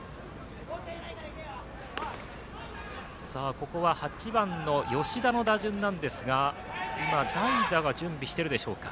ここは８番の吉田の打順なんですが代打が準備しているでしょうか。